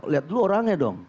lihat dulu orangnya dong